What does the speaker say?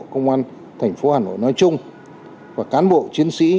công an thành phố hà nội nói chung và cán bộ chiến sĩ